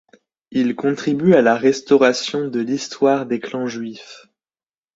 Il contribue à la restauration de l'histoire des clans juifs.